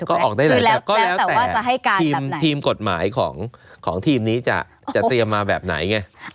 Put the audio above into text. ก็แล้วแต่ทีมกฎหมายของทีมนี้จะเตรียมมาแบบไหนไง